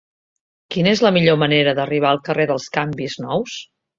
Quina és la millor manera d'arribar al carrer dels Canvis Nous?